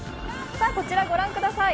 こちら、ご覧ください。